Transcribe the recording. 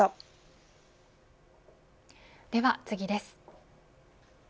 では次です。